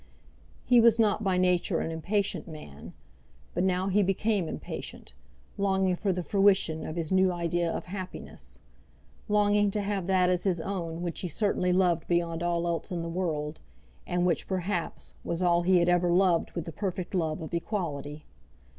He was not by nature an impatient man; but now he became impatient, longing for the fruition of his new idea of happiness, longing to have that as his own which he certainly loved beyond all else in the world, and which, perhaps, was all he had ever loved with the perfect love of equality.